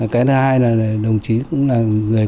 cái thứ hai là đồng chí cũng là người